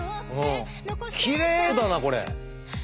きれいだなこれ。